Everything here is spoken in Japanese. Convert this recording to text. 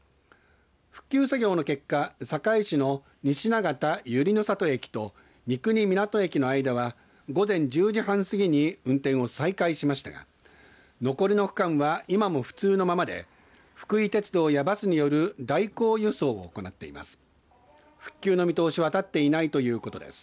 復旧作業の結果、坂井市の西長田ゆりの里駅と三国港駅の間は午前１０時半過ぎに運転を再開しましたが残りの区間は今も不通のままで福井鉄道やバスによる代行輸送を行っています。